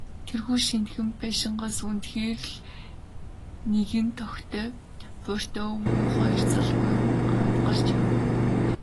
Тэрхүү шинэхэн байшингаас үнэхээр л нэгэн тохитой буурьтай өвгөн, хоёр залуугийн хамт гарч ирэв.